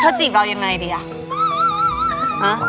เธอจีบเราอย่างไรดีอ่ะ